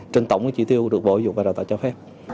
trên tổng chỉ tiêu được bổ dụng và đào tạo cho phép